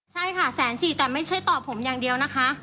ใช่ค่ะ๑๔๐๐๐๐บาทแต่ไม่ใช่ต่อผมอย่างเดียวนะคะ